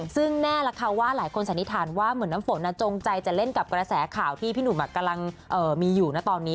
ซึ่งแน่ล่ะค่ะว่าหลายคนสันนิษฐานว่าเหมือนน้ำฝนจงใจจะเล่นกับกระแสข่าวที่พี่หนุ่มกำลังมีอยู่นะตอนนี้